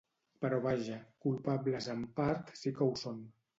Però vaja, culpables en part sí ho són.